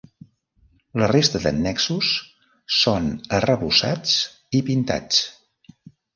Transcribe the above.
La resta d'annexos són arrebossats i pintats.